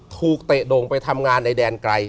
เตะโด่งไปทำงานในแดนไกล